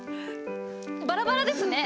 バラバラですね。